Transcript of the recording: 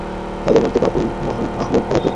তাঁদের মধ্যে বাবুল আহমদ পলাতক।